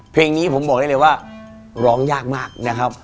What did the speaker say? เพลงนี้ผมบอกได้เลยว่าร้องยากมากนะครับ